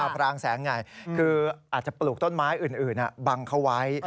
พรางแสงไงคืออาจจะปลูกต้นไม้อื่นบังเขาไว้